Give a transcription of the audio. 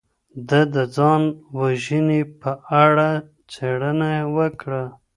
ده د ځان وژنې په اړه څیړنه وکړه.